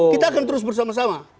kita akan terus bersama sama